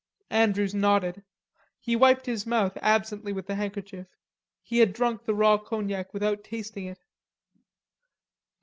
Andrews nodded. He wiped his mouth absently with his handkerchief; he had drunk the raw cognac without tasting it.